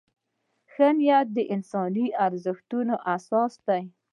ښه نیت د انساني ارزښتونو اساس دی.